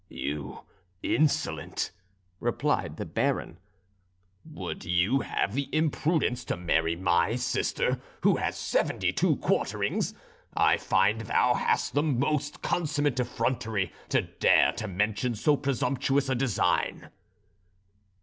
"You insolent!" replied the Baron, "would you have the impudence to marry my sister who has seventy two quarterings! I find thou hast the most consummate effrontery to dare to mention so presumptuous a design!"